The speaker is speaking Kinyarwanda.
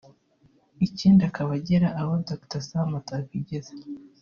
ikindi akaba agera aho Dr Sam atakwigeza